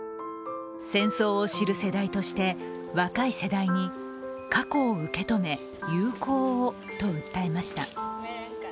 戦争を知る世代として、若い世代に過去を受け止め友好をと訴えました。